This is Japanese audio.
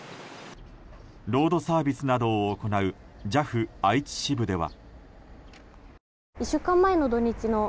ロードサービスなどを行うＪＡＦ愛知支部では。